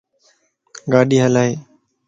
ڳاڏي ھلائي